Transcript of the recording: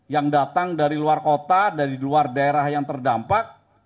yang datang dari luar kota dari luar daerah yang terdampak